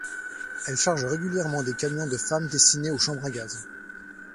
Elles chargent régulièrement des camions de femmes destinées aux chambres à gaz.